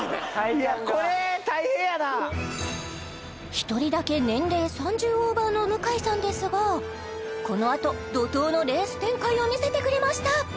１人だけ年齢３０オーバーの向井さんですがこのあと怒とうのレース展開を見せてくれました